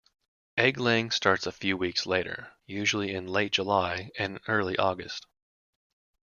Egg laying starts a few weeks later, usually in late July and early August.